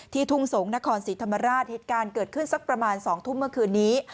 ทุ่งสงศ์นครศรีธรรมราชเหตุการณ์เกิดขึ้นสักประมาณ๒ทุ่มเมื่อคืนนี้